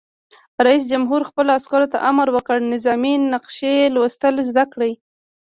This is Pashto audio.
رئیس جمهور خپلو عسکرو ته امر وکړ؛ نظامي نقشې لوستل زده کړئ!